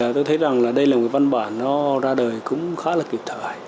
tôi thấy rằng đây là một văn bản nó ra đời cũng khá là kịp thời